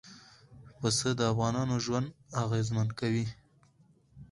پسه د افغانانو ژوند اغېزمن کوي.